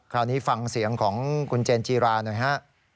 คราวนี้ฟังเสียงของคุณเจนจีราหน่อยฮะ